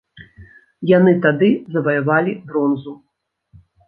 Яны тады заваявалі бронзу.